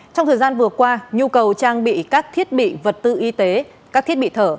trong thời gian vừa qua nhu cầu trang bị các thiết bị vật tư y tế các thiết bị thở